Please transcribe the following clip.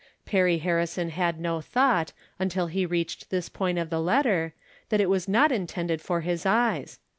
Perry Harrison had no thought, until he reached this point of the letter, that it was not intended for his eyes.